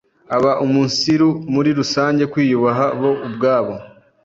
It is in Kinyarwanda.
abaumunsiru muri rusange, kwiyubaha bo ubwabo,